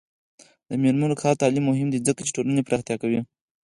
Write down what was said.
د میرمنو کار او تعلیم مهم دی ځکه چې ټولنې پراختیا کوي.